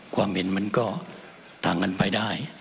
ความเห็นมันก็ต่างกันไปได้